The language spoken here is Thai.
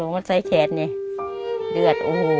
เมื่อเมื่อ